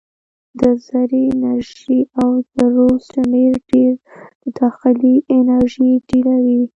د ذرې انرژي او ذرو شمیر ډېر د داخلي انرژي ډېروي.